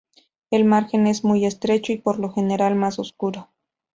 El margen es muy estrecho y por lo general más oscuro.